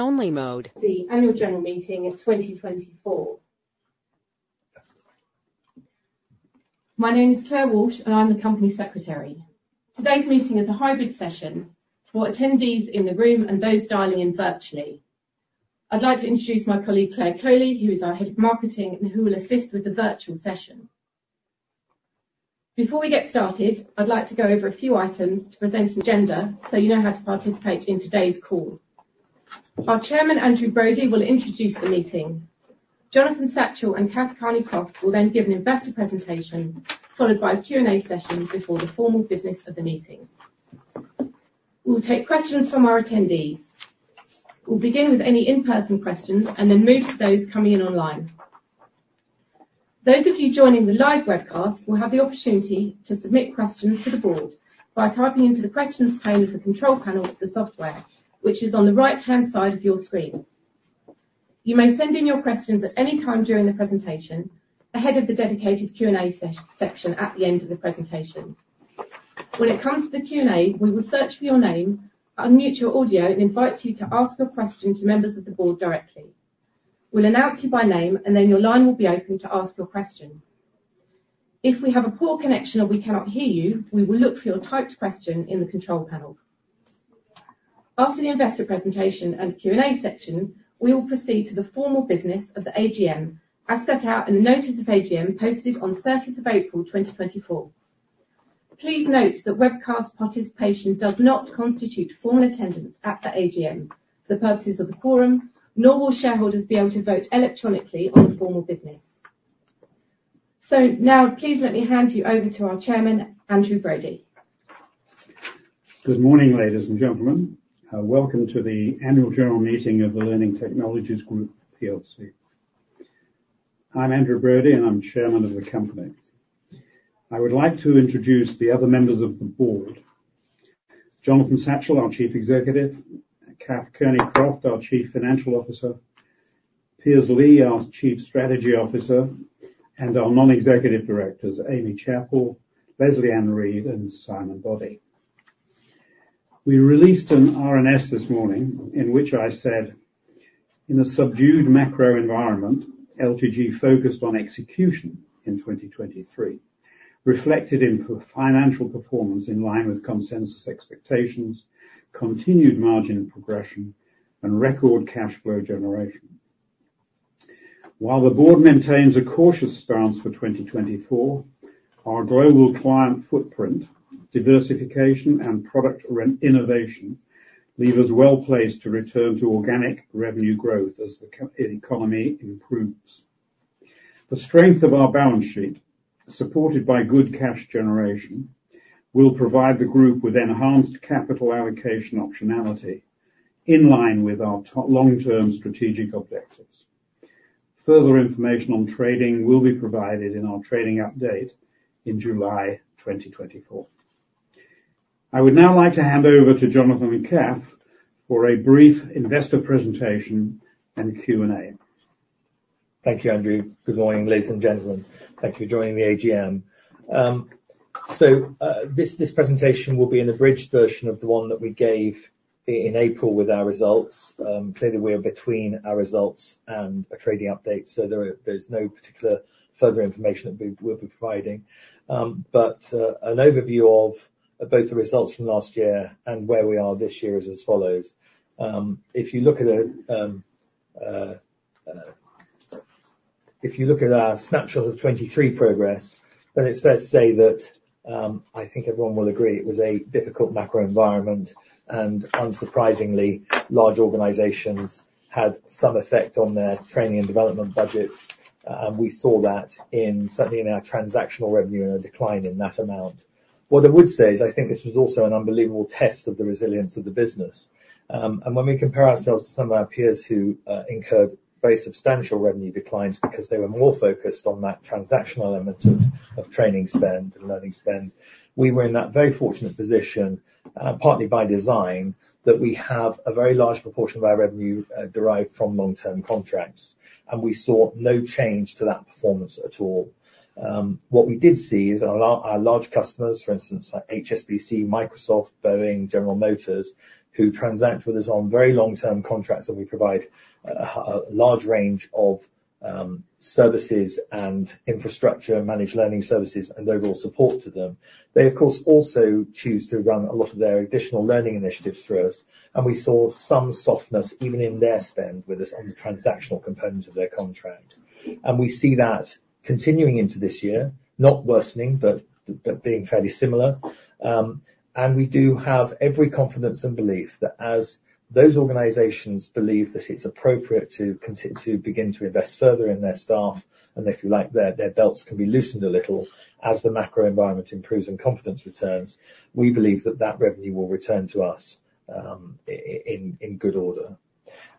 Only mode. The Annual General Meeting of 2024. My name is Claire Walsh, and I'm the Company Secretary. Today's meeting is a hybrid session for attendees in the room and those dialing in virtually. I'd like to introduce my colleague, Claire Coley, who is our Head of Marketing and who will assist with the virtual session. Before we get started, I'd like to go over a few items to present an agenda so you know how to participate in today's call. Our Chairman, Andrew Brode, will introduce the meeting. Jonathan Satchell and Kath Kearney-Croft will then give an investor presentation, followed by a Q&A session before the formal business of the meeting. We will take questions from our attendees. We'll begin with any in-person questions and then move to those coming in online. Those of you joining the live broadcast will have the opportunity to submit questions to the board by typing into the questions pane of the control panel of the software, which is on the right-hand side of your screen. You may send in your questions at any time during the presentation, ahead of the dedicated Q&A section at the end of the presentation. When it comes to the Q&A, we will search for your name, unmute your audio, and invite you to ask your question to members of the board directly. We'll announce you by name, and then your line will be open to ask your question. If we have a poor connection or we cannot hear you, we will look for your typed question in the control panel. After the investor presentation and Q&A section, we will proceed to the formal business of the AGM, as set out in the notice of AGM, posted on 13th of April, 2024. Please note that webcast participation does not constitute formal attendance at the AGM for the purposes of the quorum, nor will shareholders be able to vote electronically on the formal business. So now, please let me hand you over to our chairman, Andrew Brode. Good morning, ladies and gentlemen. Welcome to the Annual General Meeting of the Learning Technologies Group plc. I'm Andrew Brode, and I'm chairman of the company. I would like to introduce the other members of the board: Jonathan Satchell, our Chief Executive, Kath Kearney-Croft, our Chief Financial Officer, Piers Lea, our Chief Strategy Officer, and our non-executive directors, Aimie Chapple, Leslie-Ann Reed, and Simon Boddie. We released an RNS this morning, in which I said, "In a subdued macro environment, LTG focused on execution in 2023, reflected in financial performance in line with consensus expectations, continued margin progression, and record cash flow generation. While the board maintains a cautious stance for 2024, our global client footprint, diversification, and product re-innovation leave us well placed to return to organic revenue growth as the economy improves. The strength of our balance sheet, supported by good cash generation, will provide the group with enhanced capital allocation optionality in line with our two long-term strategic objectives. Further information on trading will be provided in our trading update in July 2024. I would now like to hand over to Jonathan and Kath for a brief investor presentation and Q&A. Thank you, Andrew. Good morning, ladies and gentlemen. Thank you for joining the AGM. So, this presentation will be an abridged version of the one that we gave in April with our results. Clearly, we are between our results and a trading update, so there's no particular further information that we'll be providing. But, an overview of both the results from last year and where we are this year is as follows. If you look at our snapshot of 2023 progress, then it's fair to say that, I think everyone will agree, it was a difficult macro environment, and unsurprisingly, large organizations had some effect on their training and development budgets. And we saw that in, certainly in our transactional revenue and a decline in that amount. What I would say is, I think this was also an unbelievable test of the resilience of the business. And when we compare ourselves to some of our peers who incurred very substantial revenue declines because they were more focused on that transactional element of training spend and learning spend, we were in that very fortunate position, partly by design, that we have a very large proportion of our revenue derived from long-term contracts, and we saw no change to that performance at all. What we did see is our large customers, for instance, like HSBC, Microsoft, Boeing, General Motors, who transact with us on very long-term contracts, that we provide a large range of services and infrastructure, managed learning services, and overall support to them. They, of course, also choose to run a lot of their additional learning initiatives through us, and we saw some softness even in their spend with us on the transactional component of their contract. We see that continuing into this year, not worsening, but being fairly similar. We do have every confidence and belief that as those organizations believe that it's appropriate to begin to invest further in their staff, and if you like, their belts can be loosened a little as the macro environment improves and confidence returns, we believe that that revenue will return to us, in good order.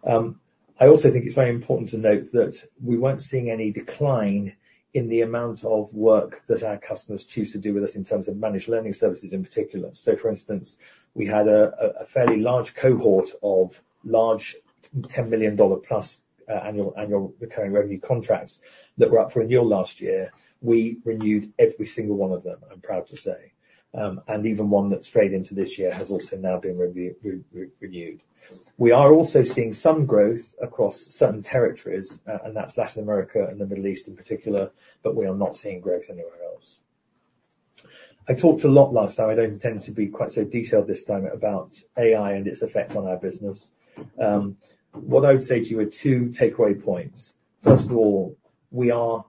I also think it's very important to note that we weren't seeing any decline in the amount of work that our customers choose to do with us in terms of managed learning services, in particular. So for instance, we had a fairly large cohort of $10 million plus annual recurring revenue contracts that were up for renewal last year; we renewed every single one of them, I'm proud to say. And even one that strayed into this year has also now been renewed. We are also seeing some growth across certain territories, and that's Latin America and the Middle East in particular, but we are not seeing growth anywhere else. I talked a lot last time; I don't intend to be quite so detailed this time about AI and its effect on our business. What I would say to you are two takeaway points. First of all, we are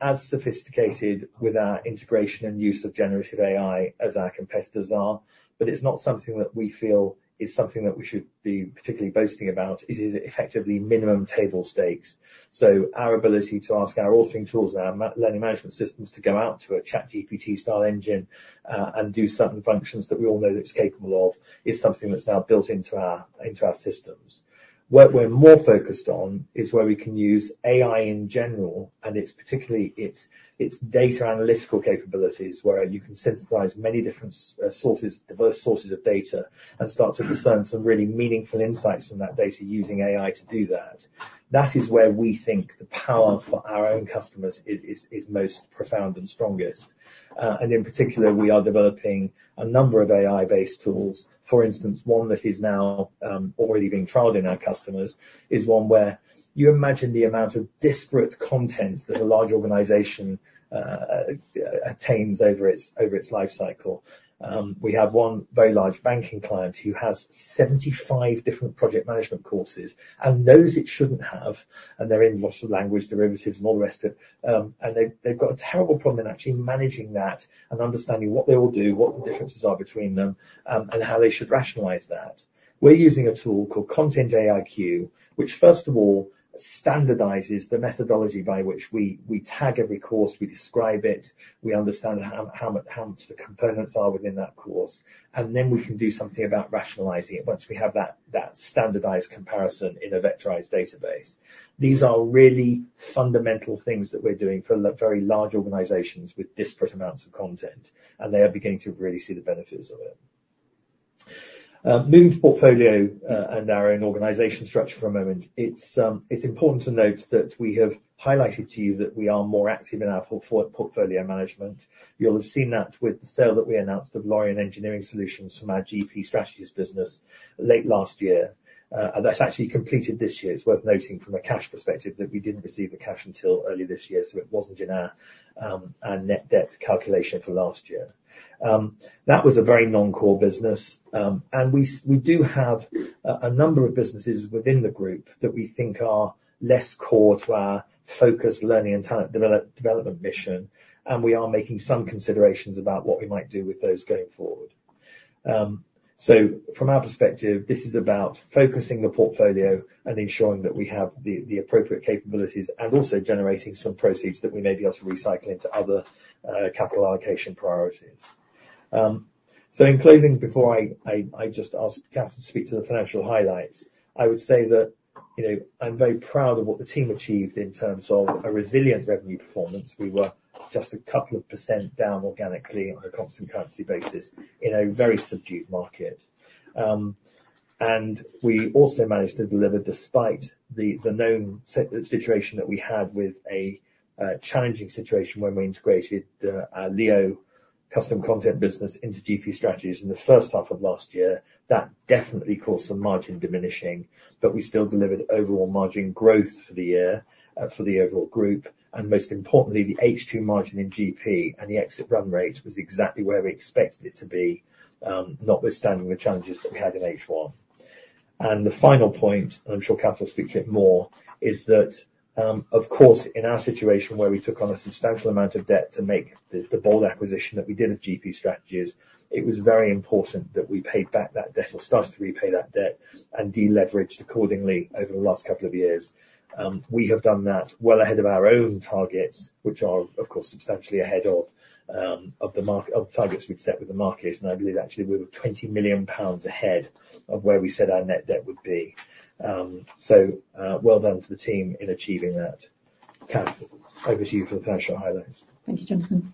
as sophisticated with our integration and use of Generative AI as our competitors are, but it's not something that we feel is something that we should be particularly boasting about. It is effectively minimum table stakes. So our ability to ask our authoring tools and our learning management systems to go out to a ChatGPT-style engine and do certain functions that we all know it's capable of is something that's now built into our, into our systems. What we're more focused on is where we can use AI in general, and its particularly its, its data analytical capabilities, where you can synthesize many different sources, diverse sources of data, and start to discern some really meaningful insights from that data using AI to do that. That is where we think the power for our own customers is most profound and strongest. And in particular, we are developing a number of AI-based tools. For instance, one that is now already being trialed in our customers, is one where you imagine the amount of disparate content that a large organization attains over its life cycle. We have one very large banking client who has 75 different project management courses, and those it shouldn't have, and they're in lots of language derivatives, and all the rest of it. And they've got a terrible problem in actually managing that, and understanding what they all do, what the differences are between them, and how they should rationalize that. We're using a tool called ContentAIQ, which first of all, standardizes the methodology by which we tag every course, we describe it, we understand how much the components are within that course, and then we can do something about rationalizing it once we have that standardized comparison in a vectorized database. These are really fundamental things that we're doing for the very large organizations with disparate amounts of content, and they are beginning to really see the benefits of it. Moving to portfolio and our own organization structure for a moment. It's important to note that we have highlighted to you that we are more active in our portfolio management. You'll have seen that with the sale that we announced of Lorien Engineering Solutions from our GP Strategies business late last year. And that's actually completed this year. It's worth noting from a cash perspective, that we didn't receive the cash until early this year, so it wasn't in our our net debt calculation for last year. That was a very non-core business, and we do have a number of businesses within the group that we think are less core to our focused learning and talent development mission, and we are making some considerations about what we might do with those going forward. So from our perspective, this is about focusing the portfolio and ensuring that we have the appropriate capabilities, and also generating some proceeds that we may be able to recycle into other capital allocation priorities. So in closing, before I just ask Kath to speak to the financial highlights, I would say that, you know, I'm very proud of what the team achieved in terms of a resilient revenue performance. We were just a couple of percent down organically on a constant currency basis, in a very subdued market. And we also managed to deliver, despite the known situation that we had with a challenging situation when we integrated the LEO custom content business into GP Strategies in the first half of last year. That definitely caused some margin diminishing, but we still delivered overall margin growth for the year, for the overall group, and most importantly, the H2 margin in GP and the exit run rate was exactly where we expected it to be, notwithstanding the challenges that we had in H1. The final point, and I'm sure Kath will speak to it more, is that, of course, in our situation, where we took on a substantial amount of debt to make the bold acquisition that we did at GP Strategies, it was very important that we paid back that debt, or started to repay that debt, and de-leveraged accordingly over the last couple of years. We have done that well ahead of our own targets, which are, of course, substantially ahead of the targets we'd set with the market, and I believe actually we were 20 million pounds ahead of where we said our net debt would be. So, well done to the team in achieving that. Kath, over to you for the financial highlights. Thank you, Jonathan.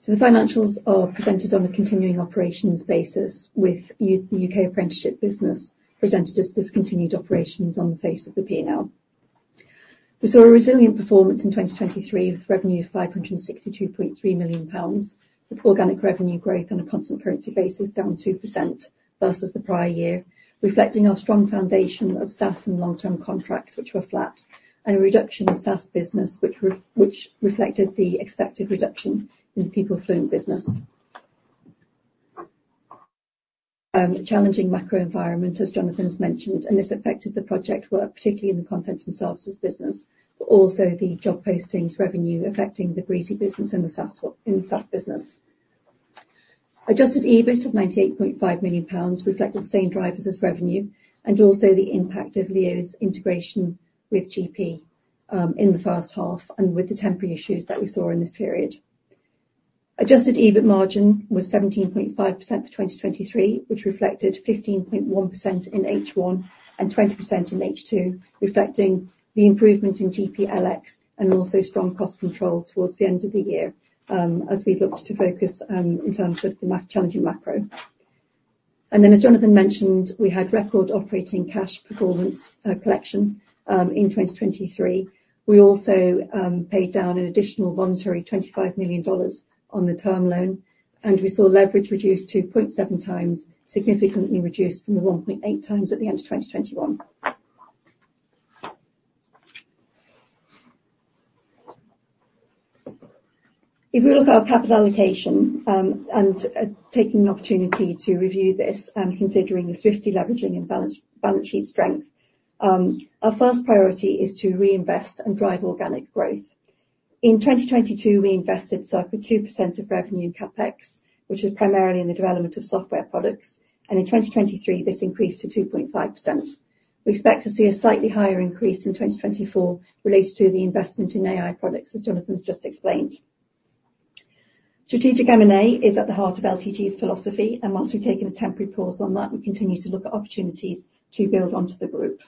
So the financials are presented on a continuing operations basis, with the UK apprenticeship business presented as discontinued operations on the face of the P&L. We saw a resilient performance in 2023, with revenue of 562.3 million pounds, with organic revenue growth on a constant currency basis down 2% versus the prior year, reflecting our strong foundation of SaaS and long-term contracts, which were flat, and a reduction in SaaS business, which reflected the expected reduction in the PeopleFluent business. Challenging macro environment, as Jonathan has mentioned, and this affected the project work, particularly in the content and services business, but also the job postings revenue affecting the Breezy business and the SaaS in the SaaS business. Adjusted EBIT of GBP 98.5 million reflected the same drivers as revenue, and also the impact of LEO's integration with GP in the first half, and with the temporary issues that we saw in this period. Adjusted EBIT margin was 17.5% for 2023, which reflected 15.1% in H1, and 20% in H2, reflecting the improvement in GPLX, and also strong cost control towards the end of the year, as we looked to focus in terms of the challenging macro. Then, as Jonathan mentioned, we had record operating cash performance, collection, in 2023. We also paid down an additional voluntary $25 million on the term loan, and we saw leverage reduced to 0.7x, significantly reduced from the 1.8x at the end of 2021. If we look at our capital allocation, and taking the opportunity to review this and considering the swift deleveraging and balance sheet strength, our first priority is to reinvest and drive organic growth. In 2022, we invested circa 2% of revenue in CapEx, which was primarily in the development of software products, and in 2023, this increased to 2.5%. We expect to see a slightly higher increase in 2024 related to the investment in AI products, as Jonathan's just explained. Strategic M&A is at the heart of LTG's philosophy, and once we've taken a temporary pause on that, we continue to look at opportunities to build onto the group.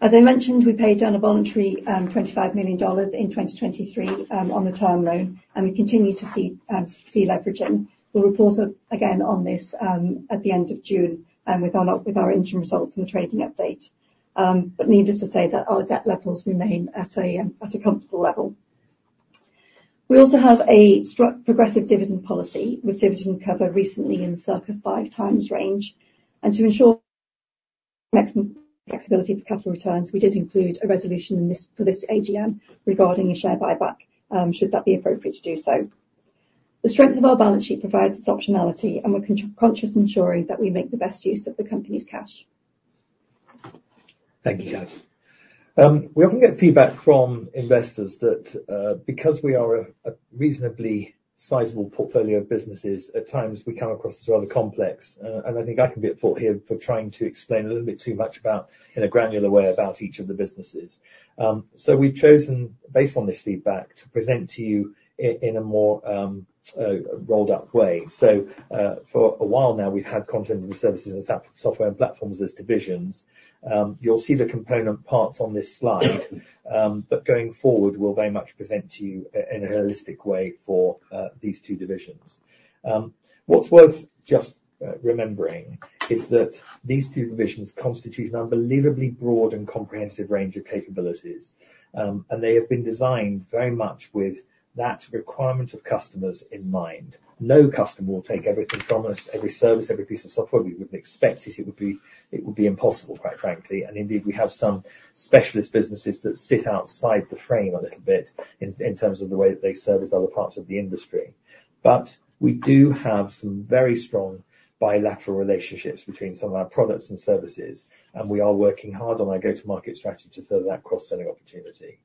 As I mentioned, we paid down a voluntary $25 million in 2023 on the term loan, and we continue to see deleveraging. We'll report again on this, at the end of June, with our interim results and the trading update. But needless to say that our debt levels remain at a comfortable level. We also have a progressive dividend policy, with dividend cover recently in the circa five times range, and to ensure maximum flexibility for capital returns, we did include a resolution in this, for this AGM regarding a share buyback, should that be appropriate to do so. The strength of our balance sheet provides us optionality, and we're conscious ensuring that we make the best use of the company's cash. Thank you, Kath. We often get feedback from investors that, because we are a reasonably sizable portfolio of businesses, at times, we come across as rather complex. And I think I can be at fault here for trying to explain a little bit too much about, in a granular way, about each of the businesses. So we've chosen, based on this feedback, to present to you in a more rolled up way. So, for a while now, we've had content and services and software and platforms as divisions. You'll see the component parts on this slide, but going forward, we'll very much present to you in a holistic way for these two divisions. What's worth just remembering is that these two divisions constitute an unbelievably broad and comprehensive range of capabilities, and they have been designed very much with that requirement of customers in mind. No customer will take everything from us, every service, every piece of software. We wouldn't expect it. It would be impossible, quite frankly, and indeed, we have some specialist businesses that sit outside the frame a little bit in terms of the way that they service other parts of the industry. But we do have some very strong bilateral relationships between some of our products and services, and we are working hard on our go-to-market strategy to further that cross-selling opportunity.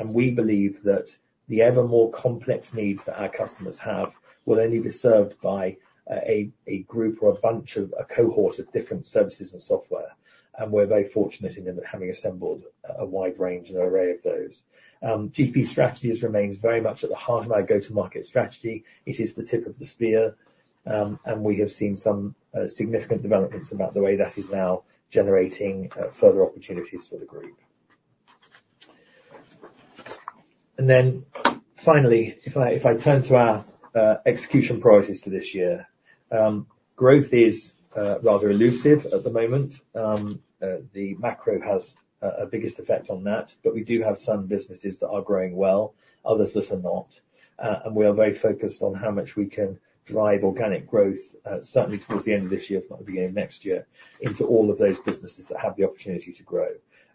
We believe that the ever more complex needs that our customers have will only be served by a group or a bunch of a cohort of different services and software, and we're very fortunate in them at having assembled a wide range and array of those. GP Strategies remains very much at the heart of our go-to-market strategy. It is the tip of the spear, and we have seen some significant developments about the way that is now generating further opportunities for the group. And then finally, if I turn to our execution priorities for this year, growth is rather elusive at the moment. The macro has a biggest effect on that, but we do have some businesses that are growing well, others that are not. And we are very focused on how much we can drive organic growth, certainly towards the end of this year, if not the beginning of next year, into all of those businesses that have the opportunity to grow.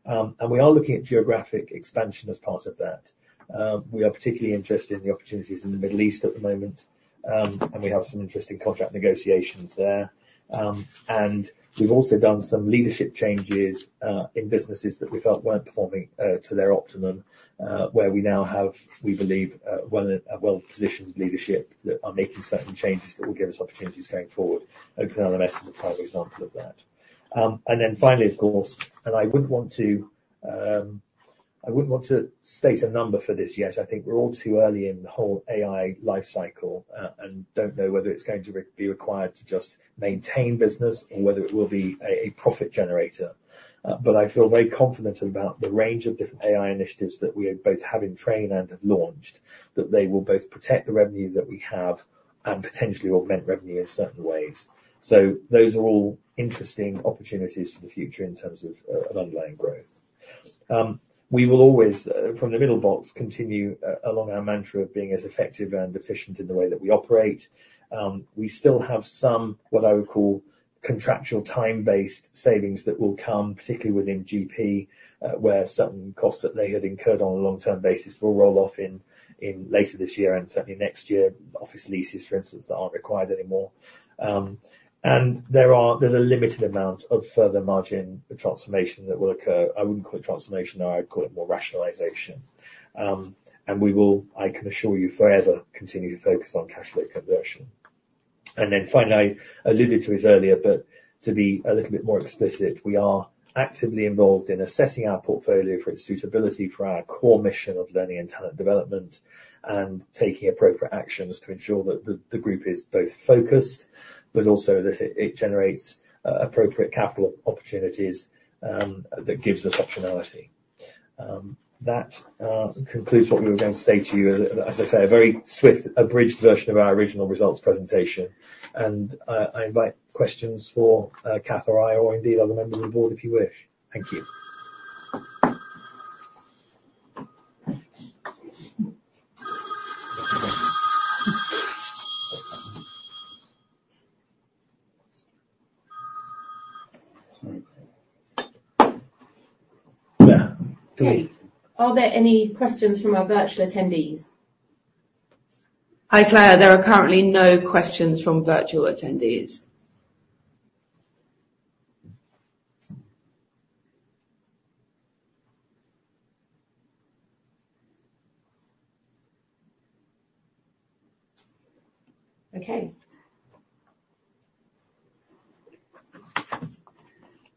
And we are looking at geographic expansion as part of that. We are particularly interested in the opportunities in the Middle East at the moment, and we have some interesting contract negotiations there. And we've also done some leadership changes, in businesses that we felt weren't performing, to their optimum, where we now have, we believe, well, a well-positioned leadership that are making certain changes that will give us opportunities going forward. Open LMS is a prime example of that. And then finally, of course, and I wouldn't want to, I wouldn't want to state a number for this yet. I think we're all too early in the whole AI life cycle, and don't know whether it's going to be required to just maintain business or whether it will be a profit generator. But I feel very confident about the range of different AI initiatives that we both have in train and have launched, that they will both protect the revenue that we have and potentially augment revenue in certain ways. So those are all interesting opportunities for the future in terms of of underlying growth. We will always, from the middle box, continue along our mantra of being as effective and efficient in the way that we operate. We still have some, what I would call, contractual time-based savings that will come, particularly within GP, where certain costs that they had incurred on a long-term basis will roll off in, in later this year and certainly next year. Office leases, for instance, that aren't required anymore. And there is a limited amount of further margin transformation that will occur. I wouldn't call it transformation, though. I'd call it more rationalization. And we will, I can assure you, forever continue to focus on cash flow conversion. And then finally, I alluded to this earlier, but to be a little bit more explicit, we are actively involved in assessing our portfolio for its suitability for our core mission of learning and talent development, and taking appropriate actions to ensure that the group is both focused, but also that it generates appropriate capital opportunities that gives us optionality.... That concludes what we were going to say to you, as I say, a very swift, abridged version of our original results presentation, and I invite questions for Kath or I, or indeed other members of the board, if you wish. Thank you. Are there any questions from our virtual attendees? Hi, Claire. There are currently no questions from virtual attendees. Okay.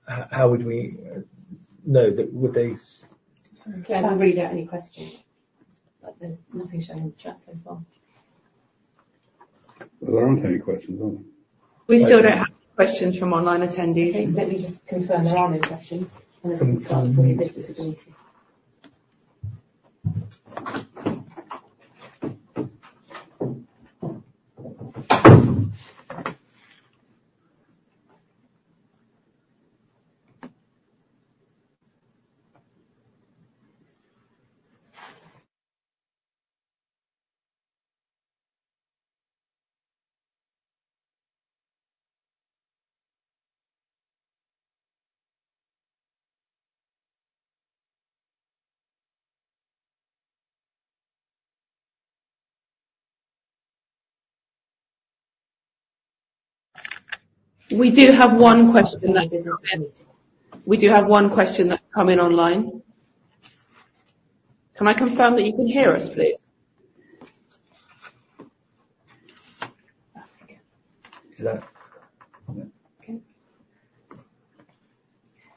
How would we know that? Would they- Can I read out any questions? But there's nothing showing in the chat so far. There aren't any questions, are there? We still don't have questions from online attendees. Let me just confirm there are no questions. Couldn't tell. We do have one question that has just ended. We do have one question that's come in online. Can I confirm that you can hear us, please? Is that... Okay.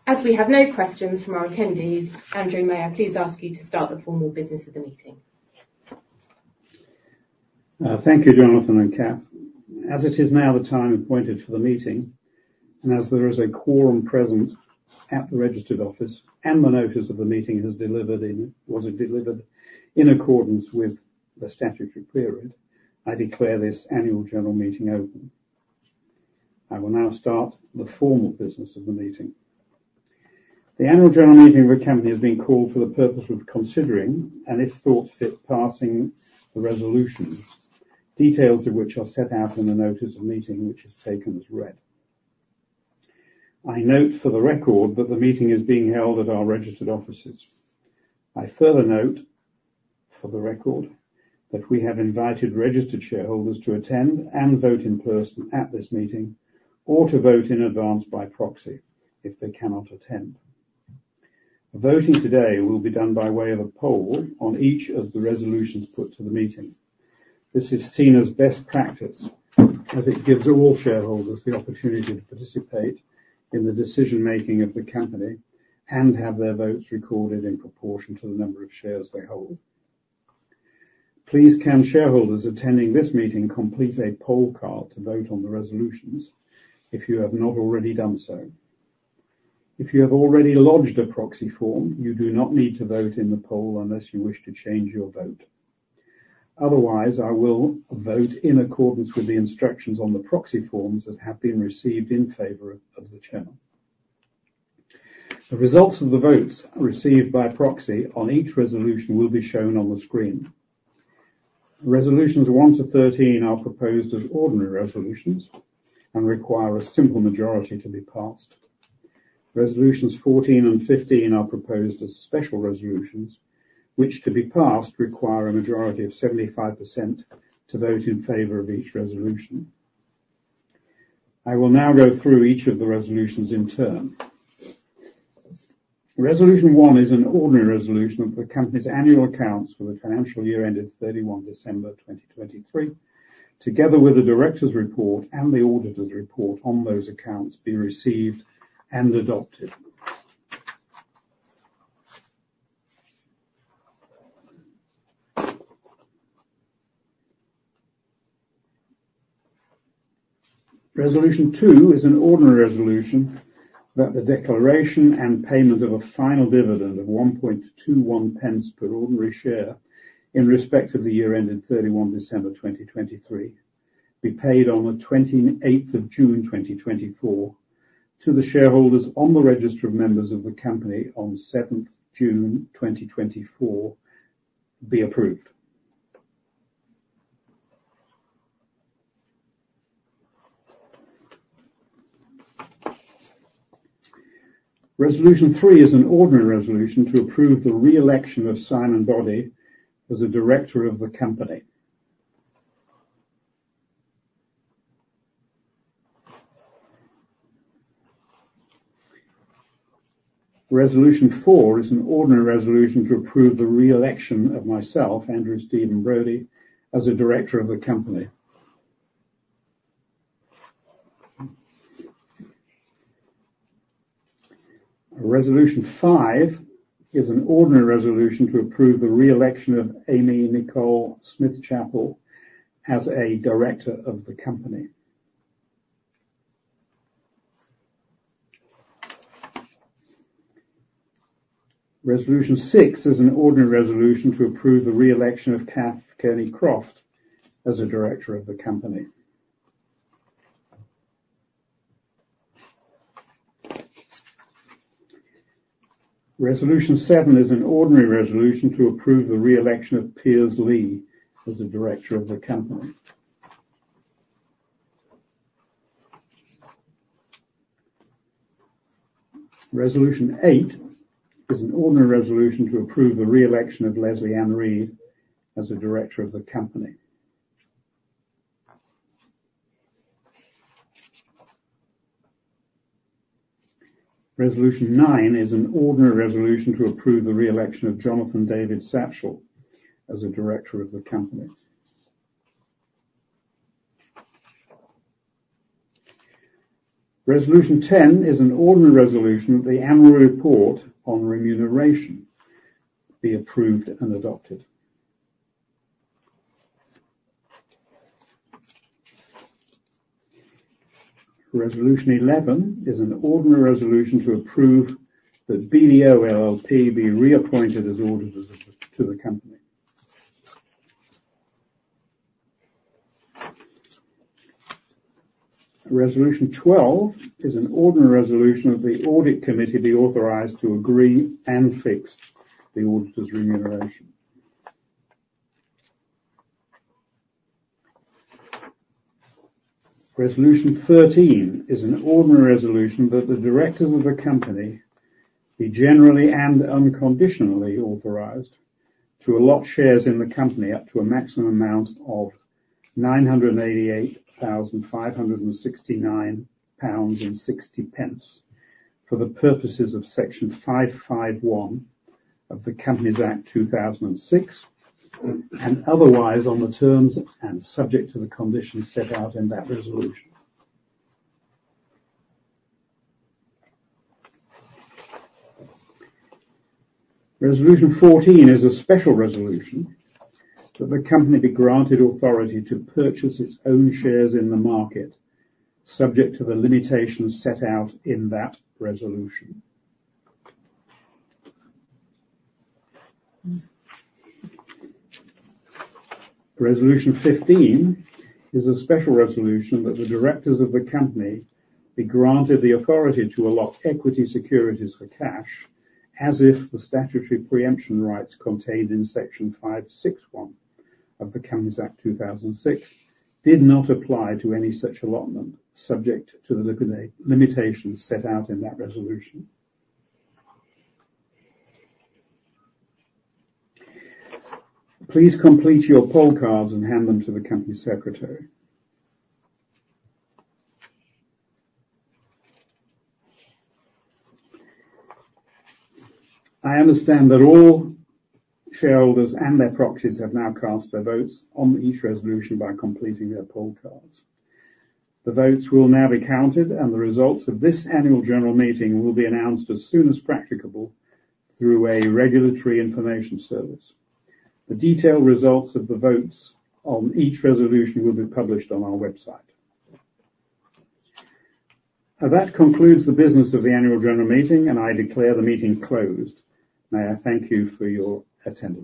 As we have no questions from our attendees, Andrew, may I please ask you to start the formal business of the meeting? Thank you, Jonathan and Kath. As it is now the time appointed for the meeting, and as there is a quorum present at the registered office, and the notice of the meeting was delivered in accordance with the statutory period, I declare this Annual General Meeting open. I will now start the formal business of the meeting. The Annual General Meeting of the company has been called for the purpose of considering, and if thought fit, passing the resolutions, details of which are set out in the notice of the meeting, which is taken as read. I note for the record, that the meeting is being held at our registered offices. I further note, for the record, that we have invited registered shareholders to attend and vote in person at this meeting, or to vote in advance by proxy if they cannot attend. Voting today will be done by way of a poll on each of the resolutions put to the meeting. This is seen as best practice as it gives all shareholders the opportunity to participate in the decision-making of the company and have their votes recorded in proportion to the number of shares they hold. Please, can shareholders attending this meeting complete a poll card to vote on the resolutions, if you have not already done so? If you have already lodged a proxy form, you do not need to vote in the poll unless you wish to change your vote. Otherwise, I will vote in accordance with the instructions on the proxy forms that have been received in favor of the chairman. The results of the votes received by proxy on each resolution will be shown on the screen. Resolutions 1 to 13 are proposed as ordinary resolutions and require a simple majority to be passed. Resolutions 14 and 15 are proposed as special resolutions, which, to be passed, require a majority of 75% to vote in favor of each resolution. I will now go through each of the resolutions in turn. Resolution 1 is an ordinary resolution of the company's annual accounts for the financial year ending 31 December 2023, together with the directors' report and the auditors' report on those accounts being received and adopted. Resolution 2 is an ordinary resolution that the declaration and payment of a final dividend of 1.21 pence per ordinary share, in respect of the year ending 31 December 2023, be paid on the 28th of June 2024 to the shareholders on the register of members of the company on 7th June 2024, be approved. Resolution 3 is an ordinary resolution to approve the re-election of Simon Boddie as a director of the company. Resolution 4 is an ordinary resolution to approve the re-election of myself, Andrew Brode, as a director of the company. Resolution 5 is an ordinary resolution to approve the re-election of Aimie Chapple as a director of the company.... Resolution 6 is an ordinary resolution to approve the re-election of Kath Kearney-Croft as a director of the company. Resolution 7 is an ordinary resolution to approve the re-election of Piers Lea as a director of the company. Resolution 8 is an ordinary resolution to approve the re-election of Leslie-Ann Reed as a director of the company. Resolution 9 is an ordinary resolution to approve the re-election of Jonathan David Satchell as a director of the company. Resolution 10 is an ordinary resolution of the annual report on remuneration be approved and adopted. Resolution 11 is an ordinary resolution to approve that BDO LLP be reappointed as auditors to the company. Resolution 12 is an ordinary resolution of the audit committee be authorized to agree and fix the auditor's remuneration. Resolution 13 is an ordinary resolution that the directors of the company be generally and unconditionally authorized to allot shares in the company up to a maximum amount of 988,569.60 pounds for the purposes of Section 551 of the Companies Act 2006, and otherwise on the terms and subject to the conditions set out in that resolution. Resolution 14 is a special resolution that the company be granted authority to purchase its own shares in the market, subject to the limitations set out in that resolution. Resolution 15 is a special resolution that the directors of the company be granted the authority to allot equity securities for cash, as if the statutory preemption rights contained in Section 561 of the Companies Act 2006 did not apply to any such allotment, subject to the limitations set out in that resolution. Please complete your poll cards and hand them to the company secretary. I understand that all shareholders and their proxies have now cast their votes on each resolution by completing their poll cards. The votes will now be counted, and the results of this Annual General Meeting will be announced as soon as practicable through a regulatory information service. The detailed results of the votes on each resolution will be published on our website. Now, that concludes the business of the Annual General Meeting, and I declare the meeting closed. May I thank you for your attendance.